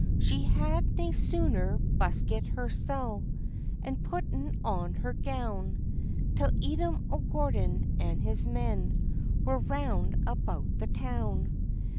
] She had nae sooner buskit hersel', And putten on her gown, Till Edom o' Gordon and his men Were round about the town.